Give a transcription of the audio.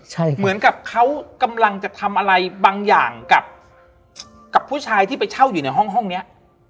เหมือนกับเขากำลังจะทำอะไรบางอย่างกับผู้ชายที่ไปเช่าอยู่ในห้องห้องเนี้ย